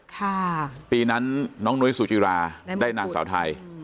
ค่ะปีนั้นน้องนุ้ยสุจิราได้นางสาวไทย